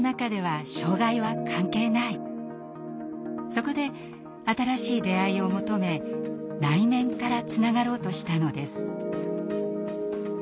そこで新しい出会いを求め内面からつながろうとしたのです。